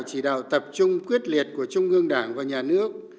dưới sự lãnh đạo tập trung quyết liệt của trung ương đảng và nhà nước